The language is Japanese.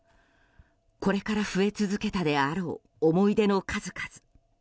これから増え続けたであろう思い出の数々。